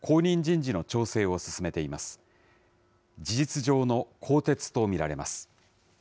事実上の更迭と見られます。